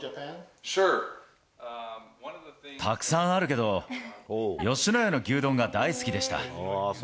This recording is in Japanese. たくさんあるけど、吉野家の牛丼が大好きでした。